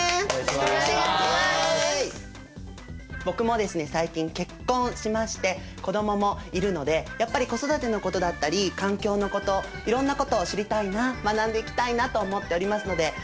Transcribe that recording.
僕もですね最近結婚しまして子どももいるのでやっぱり子育てのことだったり環境のこといろんなことを知りたいな学んでいきたいなと思っておりますので